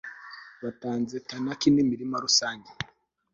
batanze tanaki n'imirima rusange yayo